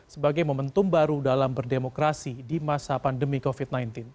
sebagai momentum baru dalam berdemokrasi di masa pandemi covid sembilan belas